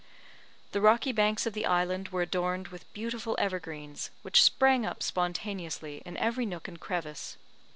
The rocky banks of the island were adorned with beautiful evergreens, which sprang up spontaneously in every nook and crevice.